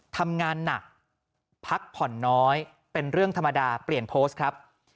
ทำงานหนักพักผ่อนน้อยเป็นเรื่องธรรมดาเปลี่ยนโพสต์ครับ